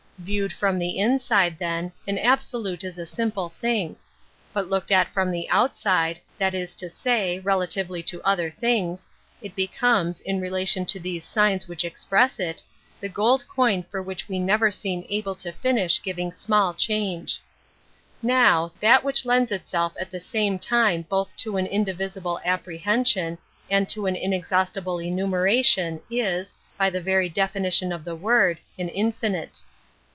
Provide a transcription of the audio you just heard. Viewed from the ^ inside, then, an absolute is a simple thing; Metaphysics 7 but looked at from the outside, that is tol say, relatively to other things, it becomes, ' in relation to these signs which express it, j the gold coin for which we never seem able ; to finish giving small change. Now, that which lends itself at the same time both to an indivisible apprehension and to an inexhaustible enumeration is, by the very ■ definition of the word, an infinite.